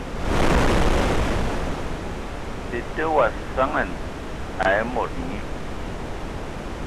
Tətə wa saŋan aaa mod nyi.